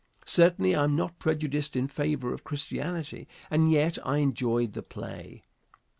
Certainly I am not prejudiced in favor of Christianity, and yet I enjoyed the play.